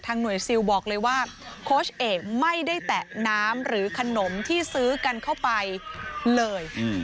หน่วยซิลบอกเลยว่าโค้ชเอกไม่ได้แตะน้ำหรือขนมที่ซื้อกันเข้าไปเลย